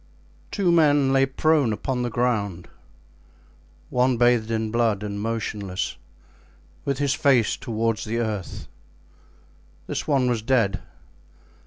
Two men lay prone upon the ground, one bathed in blood and motionless, with his face toward the earth; this one was dead.